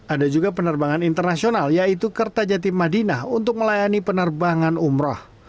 ada juga penerbangan internasional yaitu kertajati madinah untuk melayani penerbangan umroh